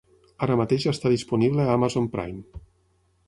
Ara mateix està disponible a Amazon Prime.